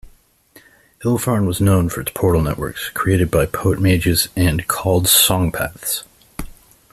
Illefarn was known for its portal networks, created by poet-mages and called song-paths.